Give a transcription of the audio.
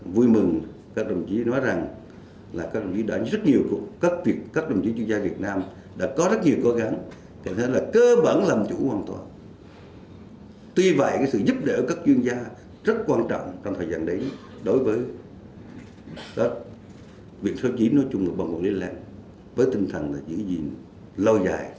và dặn đến đối với việc sơ chiếm nói chung của ban quản lý lăng với tinh thần giữ gìn lâu dài